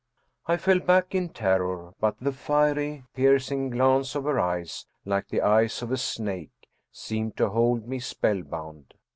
I fell back in terror, but the fiery, piercing glance of her eyes, like the eyes of a snake, seemed to hold me spell bound.